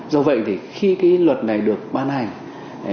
do vậy thì khi cái luật này được ban hành